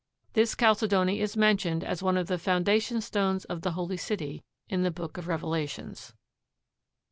This chalcedony is mentioned as one of the foundation stones of the Holy City in the Book of Revelations.